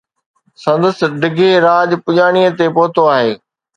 سندس ڊگھي راڄ پڄاڻي تي پهتو آهي.